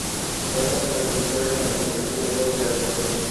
Trata sobre su historia como futbolista y luego de retirarse.